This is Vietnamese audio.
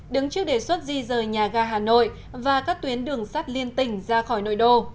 đứng trước đề xuất di rời nhà ga hà nội và các tuyến đường sắt liên tỉnh ra khỏi nội đô